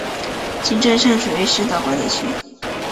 行政上属于石岛管理区。